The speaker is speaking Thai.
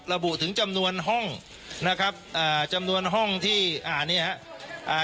ระบุถึงจำนวนห้องนะครับอ่าจำนวนห้องที่อ่าเนี้ยฮะอ่า